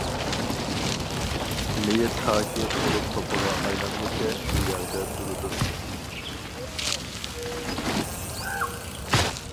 مېيىت تاكى قۇرۇپ توپىغا ئايلانغۇچە شۇ يەردە تۇرىدۇ.